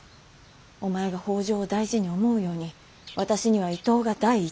お前が北条を大事に思うように私には伊東が第一。